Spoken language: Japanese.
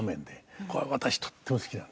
これは私とっても好きなんです。